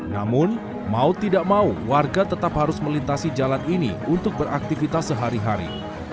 namun mau tidak mau warga tetap harus melintasi jalan ini untuk beraktivitas sehari hari